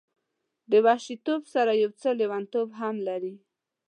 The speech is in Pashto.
د وحشي توب سره یو څه لیونتوب هم لري.